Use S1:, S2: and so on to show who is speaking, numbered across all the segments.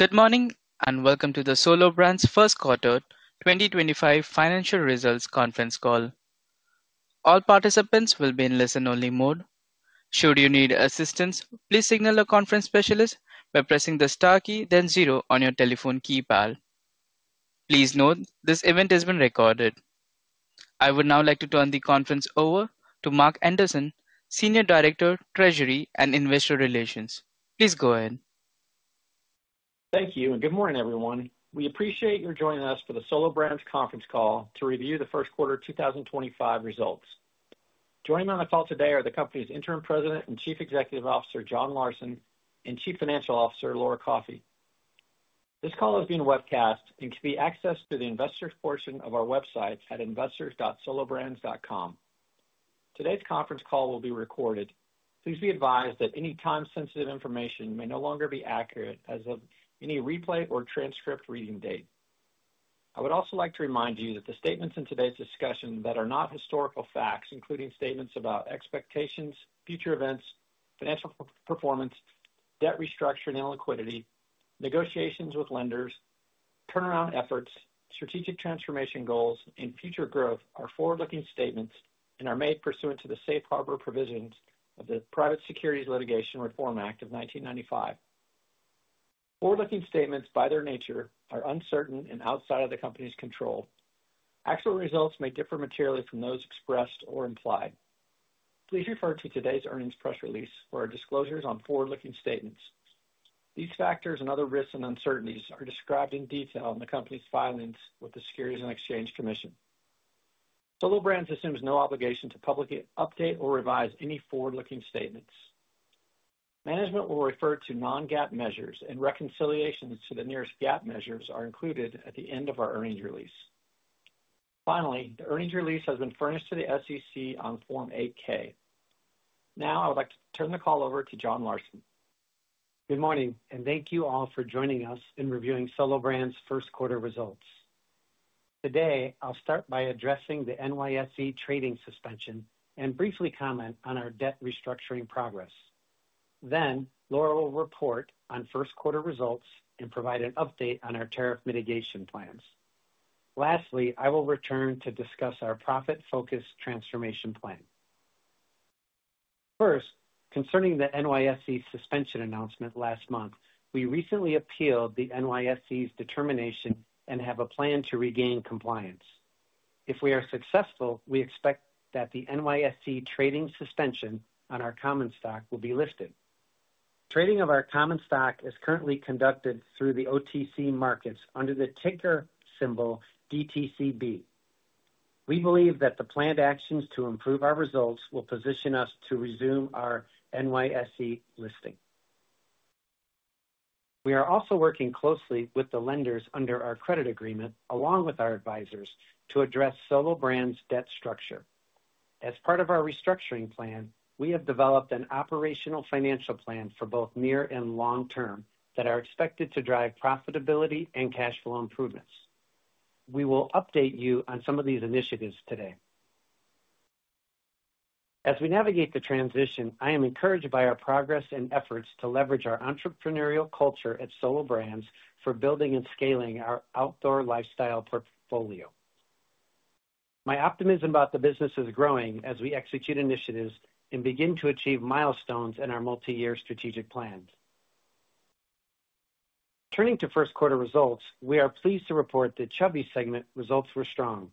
S1: Good morning and welcome to the Solo Brands First Quarter 2025 Financial Results Conference Call. All participants will be in listen-only mode. Should you need assistance, please signal a conference specialist by pressing the * key, then 0 on your telephone keypad. Please note this event has been recorded. I would now like to turn the conference over to Mark Anderson, Senior Director, Treasury and Investor Relations. Please go ahead.
S2: Thank you and good morning, everyone. We appreciate your joining us for the Solo Brands Conference Call to review the first quarter 2025 results. Joining me on the call today are the company's Interim President and Chief Executive Officer, John Larson, and Chief Financial Officer, Laura Coffey. This call is being webcast and can be accessed through the investors' portion of our website at investors.solobrands.com. Today's conference call will be recorded. Please be advised that any time-sensitive information may no longer be accurate as of any replay or transcript reading date. I would also like to remind you that the statements in today's discussion that are not historical facts, including statements about expectations, future events, financial performance, debt restructuring and liquidity, negotiations with lenders, turnaround efforts, strategic transformation goals, and future growth are forward-looking statements and are made pursuant to the safe harbor provisions of the Private Securities Litigation Reform Act of 1995. Forward-looking statements, by their nature, are uncertain and outside of the company's control. Actual results may differ materially from those expressed or implied. Please refer to today's earnings press release for our disclosures on forward-looking statements. These factors and other risks and uncertainties are described in detail in the company's filings with the Securities and Exchange Commission. Solo Brands assumes no obligation to publicly update or revise any forward-looking statements. Management will refer to non-GAAP measures, and reconciliations to the nearest GAAP measures are included at the end of our earnings release. Finally, the earnings release has been furnished to the SEC on Form 8-K. Now I would like to turn the call over to John Larson.
S3: Good morning and thank you all for joining us in reviewing Solo Brands' first quarter results. Today I'll start by addressing the NYSE trading suspension and briefly comment on our debt restructuring progress. Then Laura will report on first quarter results and provide an update on our tariff mitigation plans. Lastly, I will return to discuss our profit-focused transformation plan. First, concerning the NYSE suspension announcement last month, we recently appealed the NYSE's determination and have a plan to regain compliance. If we are successful, we expect that the NYSE trading suspension on our common stock will be lifted. Trading of our common stock is currently conducted through the OTC Markets under the ticker symbol DTCB. We believe that the planned actions to improve our results will position us to resume our NYSE listing. We are also working closely with the lenders under our credit agreement, along with our advisors, to address Solo Brands' debt structure. As part of our restructuring plan, we have developed an operational financial plan for both near and long term that are expected to drive profitability and cash flow improvements. We will update you on some of these initiatives today. As we navigate the transition, I am encouraged by our progress and efforts to leverage our entrepreneurial culture at Solo Brands for building and scaling our outdoor lifestyle portfolio. My optimism about the business is growing as we execute initiatives and begin to achieve milestones in our multi-year strategic plan. Turning to first quarter results, we are pleased to report that Chubbies segment results were strong.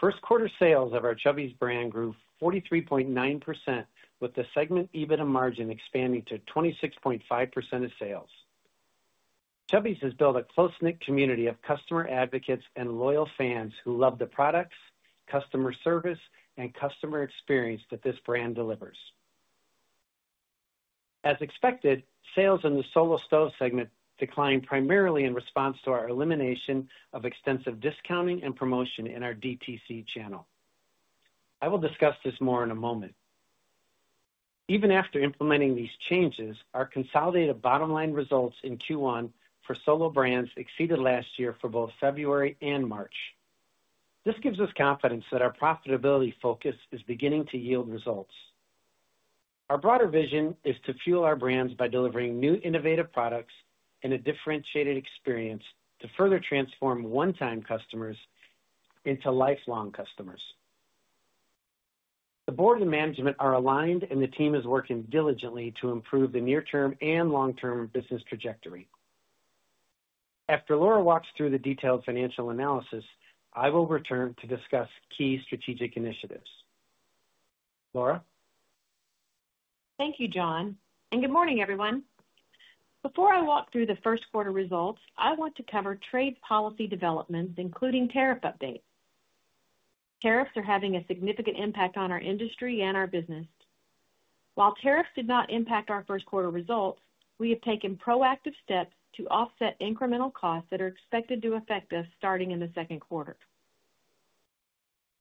S3: First quarter sales of our Chubbies brand grew 43.9%, with the segment EBITDA margin expanding to 26.5% of sales. Chubbies has built a close-knit community of customer advocates and loyal fans who love the products, customer service, and customer experience that this brand delivers. As expected, sales in the Solo Stove segment declined primarily in response to our elimination of extensive discounting and promotion in our DTC channel. I will discuss this more in a moment. Even after implementing these changes, our consolidated bottom line results in Q1 for Solo Brands exceeded last year for both February and March. This gives us confidence that our profitability focus is beginning to yield results. Our broader vision is to fuel our brands by delivering new innovative products and a differentiated experience to further transform one-time customers into lifelong customers. The board and management are aligned, and the team is working diligently to improve the near-term and long-term business trajectory. After Laura walks through the detailed financial analysis, I will return to discuss key strategic initiatives. Laura.
S4: Thank you, John, and good morning, everyone. Before I walk through the first quarter results, I want to cover trade policy developments, including tariff updates. Tariffs are having a significant impact on our industry and our business. While tariffs did not impact our first quarter results, we have taken proactive steps to offset incremental costs that are expected to affect us starting in the second quarter.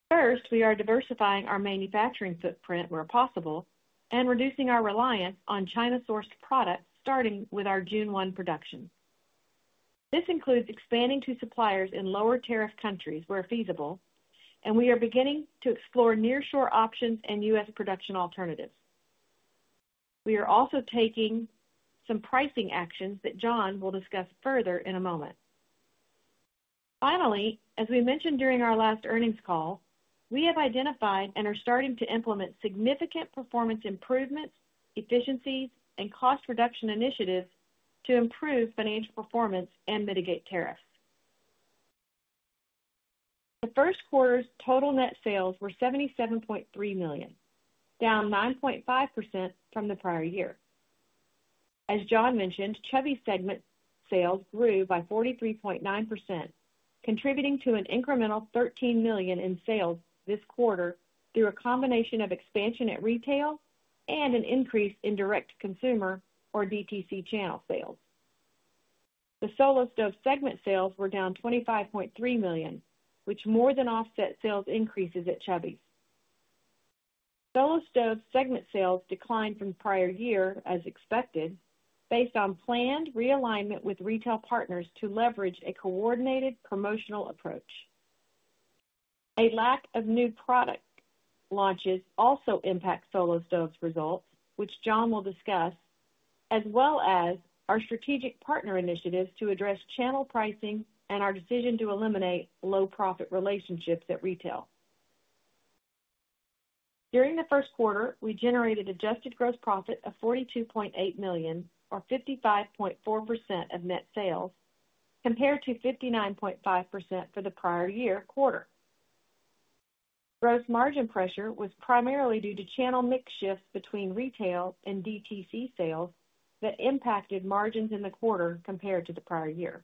S4: First, we are diversifying our manufacturing footprint where possible and reducing our reliance on China-sourced products starting with our June 1 production. This includes expanding to suppliers in lower tariff countries where feasible, and we are beginning to explore near-shore options and U.S. production alternatives. We are also taking some pricing actions that John will discuss further in a moment. Finally, as we mentioned during our last earnings call, we have identified and are starting to implement significant performance improvements, efficiencies, and cost reduction initiatives to improve financial performance and mitigate tariffs. The first quarter's total net sales were $77.3 million, -9.5% from the prior year. As John mentioned, Chubbies segment sales grew by 43.9%, contributing to an incremental $13 million in sales this quarter through a combination of expansion at retail and an increase in direct consumer or DTC channel sales. The Solo Stove segment sales were -$25.3 million, which more than offset sales increases at Chubbies. Solo Stove segment sales declined from the prior year, as expected, based on planned realignment with retail partners to leverage a coordinated promotional approach. A lack of new product launches also impacts Solo Stove results, which John will discuss, as well as our strategic partner initiatives to address channel pricing and our decision to eliminate low-profit relationships at retail. During the first quarter, we generated adjusted gross profit of $42.8 million, or 55.4% of net sales, compared to 59.5% for the prior year quarter. Gross margin pressure was primarily due to channel mix shifts between retail and DTC sales that impacted margins in the quarter compared to the prior year.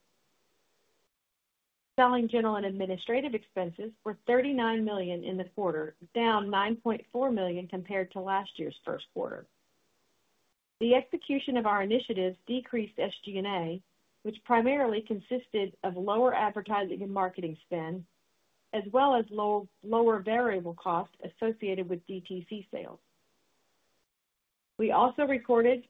S4: Selling, general, and administrative expenses were $39 million in the quarter, -$9.4 million compared to last year's first quarter. The execution of our initiatives decreased SG&A, which primarily consisted of lower advertising and marketing spend, as well as lower variable costs associated with DTC sales. We also recorded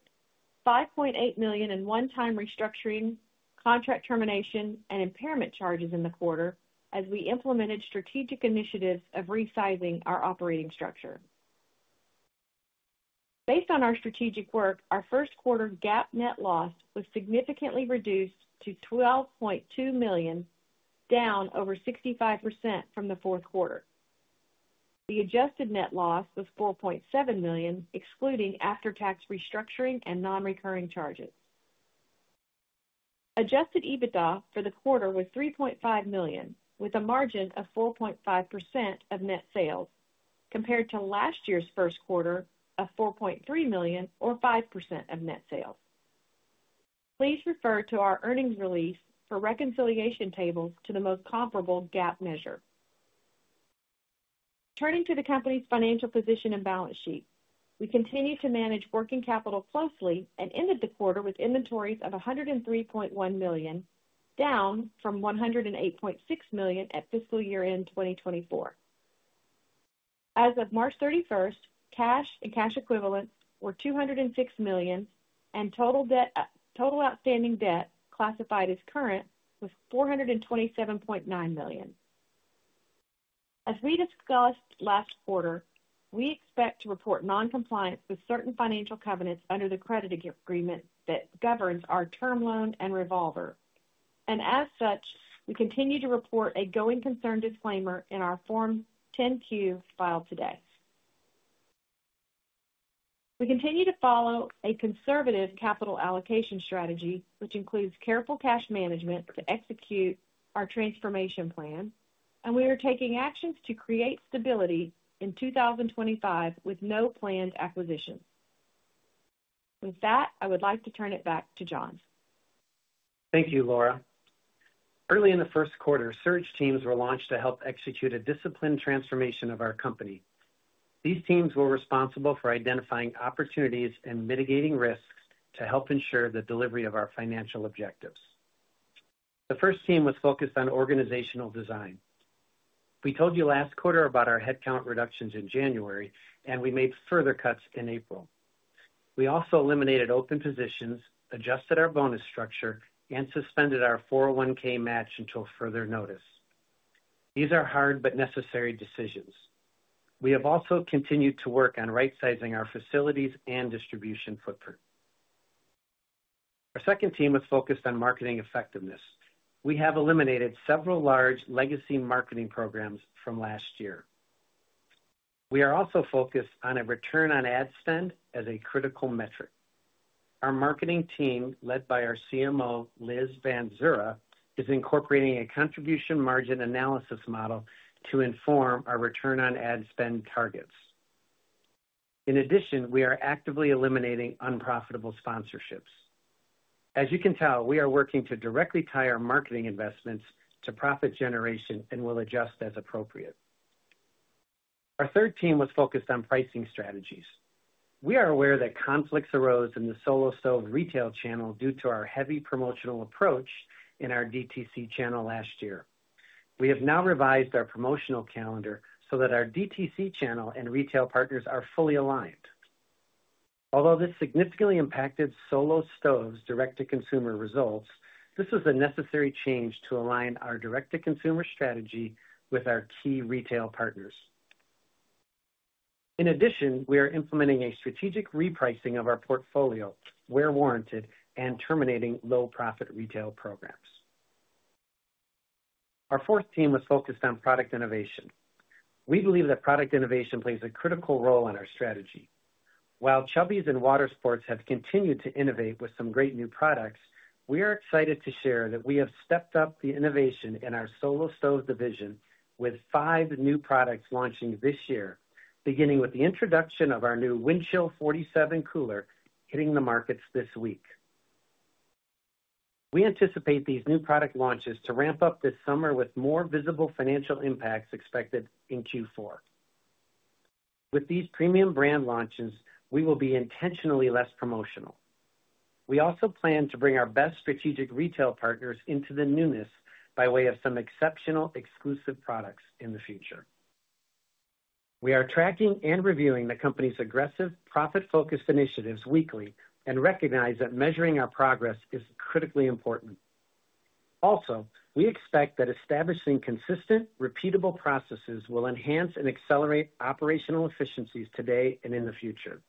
S4: $5.8 million in one-time restructuring, contract termination, and impairment charges in the quarter as we implemented strategic initiatives of resizing our operating structure. Based on our strategic work, our first quarter GAAP net loss was significantly reduced to $12.2 million, down over 65% from the fourth quarter. The adjusted net loss was $4.7 million, excluding after-tax restructuring and non-recurring charges. Adjusted EBITDA for the quarter was $3.5 million, with a margin of 4.5% of net sales, compared to last year's first quarter of $4.3 million, or 5% of net sales. Please refer to our earnings release for reconciliation tables to the most comparable GAAP measure. Turning to the company's financial position and balance sheet, we continue to manage working capital closely and ended the quarter with inventories of $103.1 million, down from $108.6 million at fiscal year-end 2024. As of March 31st, cash and cash equivalents were $206 million, and total outstanding debt classified as current was $427.9 million. As we discussed last quarter, we expect to report non-compliance with certain financial covenants under the credit agreement that governs our term loan and revolver. As such, we continue to report a going concern disclaimer in our Form 10-Q filed today. We continue to follow a conservative capital allocation strategy, which includes careful cash management to execute our transformation plan, and we are taking actions to create stability in 2025 with no planned acquisitions. With that, I would like to turn it back to John.
S3: Thank you, Laura. Early in the first quarter, search teams were launched to help execute a disciplined transformation of our company. These teams were responsible for identifying opportunities and mitigating risks to help ensure the delivery of our financial objectives. The first team was focused on organizational design. We told you last quarter about our headcount reductions in January, and we made further cuts in April. We also eliminated open positions, adjusted our bonus structure, and suspended our 401(k) match until further notice. These are hard but necessary decisions. We have also continued to work on right-sizing our facilities and distribution footprint. Our second team was focused on marketing effectiveness. We have eliminated several large legacy marketing programs from last year. We are also focused on a return on ad spend as a critical metric. Our marketing team, led by our CMO, Liz Vanzura, is incorporating a contribution margin analysis model to inform our return on ad spend targets. In addition, we are actively eliminating unprofitable sponsorships. As you can tell, we are working to directly tie our marketing investments to profit generation and will adjust as appropriate. Our third team was focused on pricing strategies. We are aware that conflicts arose in the Solo Stove retail channel due to our heavy promotional approach in our DTC channel last year. We have now revised our promotional calendar so that our DTC channel and retail partners are fully aligned. Although this significantly impacted Solo Stove's direct-to-consumer results, this was a necessary change to align our direct-to-consumer strategy with our key retail partners. In addition, we are implementing a strategic repricing of our portfolio, where warranted, and terminating low-profit retail programs. Our fourth team was focused on product innovation. We believe that product innovation plays a critical role in our strategy. While Chubbies and water sports have continued to innovate with some great new products, we are excited to share that we have stepped up the innovation in our Solo Stove division with five new products launching this year, beginning with the introduction of our new Windchill 47 Cooler hitting the markets this week. We anticipate these new product launches to ramp up this summer with more visible financial impacts expected in Q4. With these premium brand launches, we will be intentionally less promotional. We also plan to bring our best strategic retail partners into the newness by way of some exceptional exclusive products in the future. We are tracking and reviewing the company's aggressive profit-focused initiatives weekly and recognize that measuring our progress is critically important. Also, we expect that establishing consistent, repeatable processes will enhance and accelerate operational efficiencies today and in the future.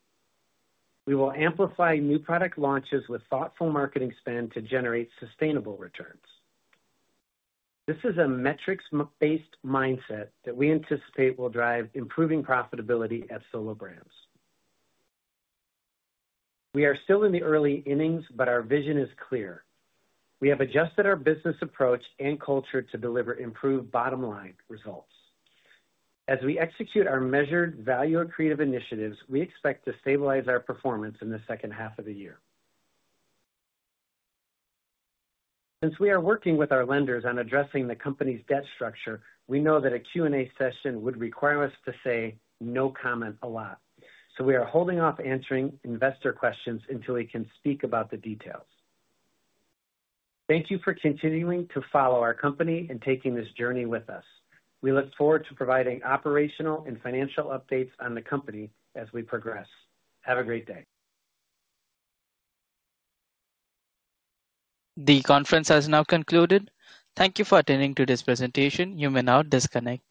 S3: We will amplify new product launches with thoughtful marketing spend to generate sustainable returns. This is a metrics-based mindset that we anticipate will drive improving profitability at Solo Brands. We are still in the early innings, but our vision is clear. We have adjusted our business approach and culture to deliver improved bottom line results. As we execute our measured value-accretive initiatives, we expect to stabilize our performance in the second half of the year. Since we are working with our lenders on addressing the company's debt structure, we know that a Q&A session would require us to say no comment a lot, so we are holding off answering investor questions until we can speak about the details. Thank you for continuing to follow our company and taking this journey with us. We look forward to providing operational and financial updates on the company as we progress. Have a great day.
S1: The conference has now concluded. Thank you for attending today's presentation. You may now disconnect.